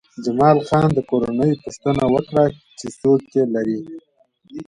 جمال خان د کورنۍ پوښتنه وکړه چې څوک لرې